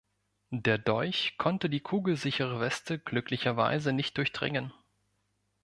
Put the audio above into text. Der Dolch konnte die kugelsichere Weste glücklicherweise nicht durchdringen.